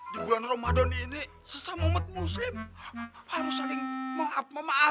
di bulan ramadan ini sesama umat muslim harus saling memaafkan